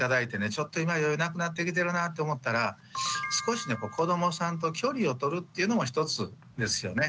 ちょっと今余裕なくなってきてるなって思ったら少しね子どもさんと距離をとるっていうのも一つですよね。